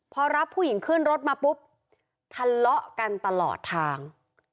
พอรับผู้หญิงขึ้นรถมาปุ๊บทะเลาะกันตลอดทาง